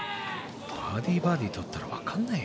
バーディー、バーディー取ったらわからないよ。